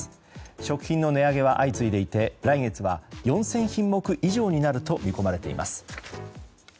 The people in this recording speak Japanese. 食品の値上げは相次いでいて来月は４０００品目以上になると見込まれています。